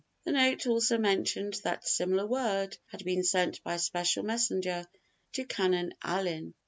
The note also mentioned that similar word had been sent by special messenger to Canon Allyn.